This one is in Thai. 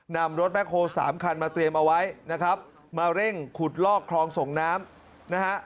นำรถแคลสามคันมาเตรียมเอาไว้นะครับมาเร่งขุดลอกคลองส่งน้ำนะฮะ